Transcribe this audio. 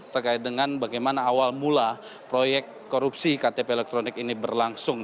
terkait dengan bagaimana awal mula proyek korupsi ktp elektronik ini berlangsung